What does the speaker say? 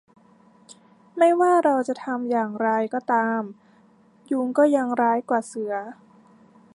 ไม่ว่าเราจะทำอย่างไรก็ตาม ยุงก็ยังร้ายกว่าเสือ